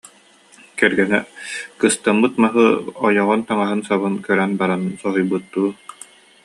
Кэргэнэ кыстаммыт маһы, ойоҕун таҥаһын-сабын көрөн баран соһуйбуттуу: